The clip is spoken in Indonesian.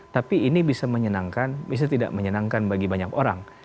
tapi ini bisa menyenangkan bisa tidak menyenangkan bagi banyak orang